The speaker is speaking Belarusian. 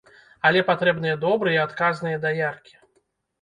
Але патрэбны добрыя адказныя даяркі.